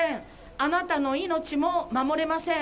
あなたの命も守れません。